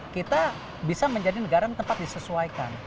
kita bisa menjadi negara yang tempat disesuaikan